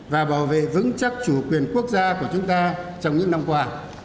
và bảo vệ vững chắc chủ quyền quốc gia của chúng ta trong những năm qua